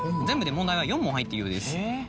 全部で問題は４問入っているようです。